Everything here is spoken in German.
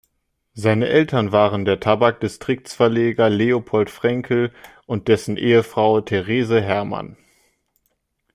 Seine Eltern waren der Tabak-Distrikts-Verlegers "Leopold Fränkel" und dessen Ehefrau "Therese Hermann".